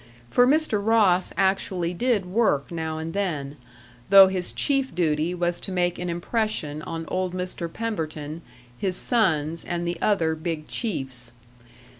For Mr. Ross actually did work now and then, though his chief duty was to make an impression on old Mr. Pemberton, his sons, and the other big chiefs.